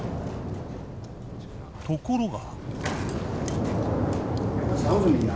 ところが。